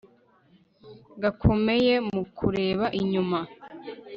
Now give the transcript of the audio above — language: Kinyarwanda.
gakomeye mu kureba inyuma